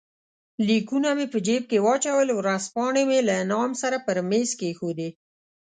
لیکونه مې په جېب کې واچول، ورځپاڼې مې له انعام سره پر مېز کښېښودې.